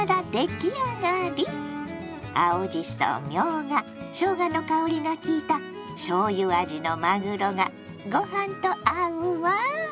青じそみょうがしょうがの香りがきいたしょうゆ味のまぐろがごはんと合うわ。